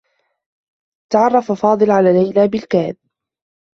تعرّف فاضل على ليلى بالكاد.